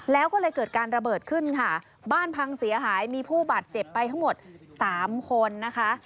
แล้วก็เลยเกิดการระเบิดขึ้นค่ะบ้านพังเสียหายมีผู้บาดเจ็บไปทั้งหมดสามคนนะคะ